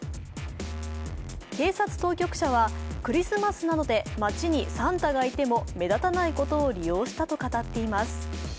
警察当局者はクリスマスなどで街にサンタがいても目立たないことを利用したと語っています。